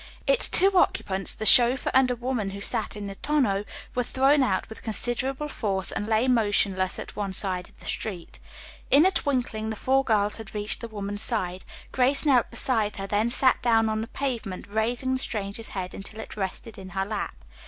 Its two occupants, the chauffeur and a woman who sat in the tonneau, were thrown out with considerable force and lay motionless at one side of the street. In a twinkling the four girls had reached the woman's side. Grace knelt beside her, then sat down on the pavement, raising the stranger's head until it rested in her lap.